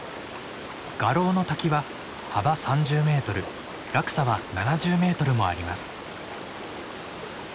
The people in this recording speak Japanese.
賀老の滝は幅３０メートル落差は７０メートルもあります。